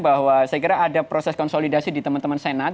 bahwa saya kira ada proses konsolidasi di teman teman senat